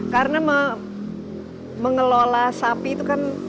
karena mengelola sapi itu kan